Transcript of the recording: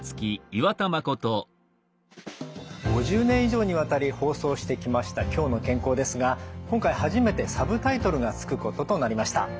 ５０年以上にわたり放送してきました「きょうの健康」ですが今回初めてサブタイトルが付くこととなりました。